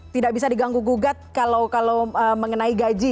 tidak bisa diganggu gugat kalau mengenai gaji